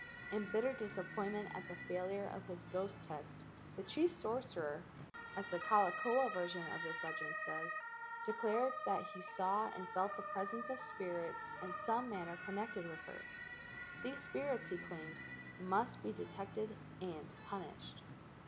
In bitter dis¬ appointment at the failure of his ghost test the chief sorcerer, as the Kalakaua version of this legend says, "declared that he saw and felt the presence of spirits in some manner connected with her." These spirits, he claimed, must be detected and punished.